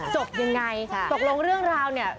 จบยังไงตกลงเรื่องราวเนี่ย